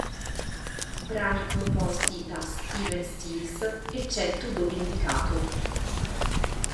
Brani composti da Stephen Stills, eccetto dove indicato.